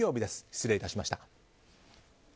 失礼いたしました。